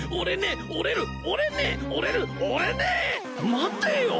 待てよ